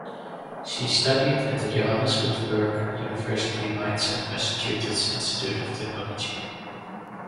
She studied at the Johannes Gutenberg University Mainz and Massachusetts Institute of Technology.